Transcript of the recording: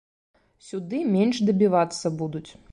Сюды менш дабівацца будуць.